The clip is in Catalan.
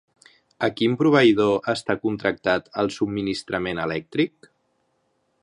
A quin proveïdor està contractat el subministrament elèctric?